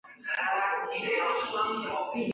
爱尔兰也会举行篝火晚会并放焰火。